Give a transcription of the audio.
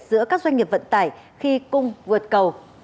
giữa các doanh nghiệp vận tải khi cung vượt cầu